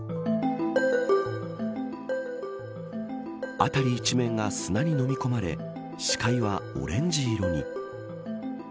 辺り一面が砂にのみ込まれ視界はオレンジ色に。